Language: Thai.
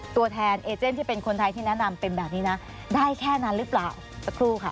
ตัวแทนเอเจนที่เป็นคนไทยที่แนะนำเป็นแบบนี้นะได้แค่นั้นหรือเปล่าสักครู่ค่ะ